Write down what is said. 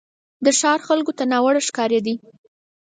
د ښار خلکو ته ناوړه ښکارېدی.